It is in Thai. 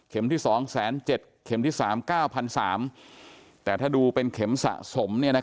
ที่๒๗๐๐เข็มที่๓๙๓๐๐แต่ถ้าดูเป็นเข็มสะสม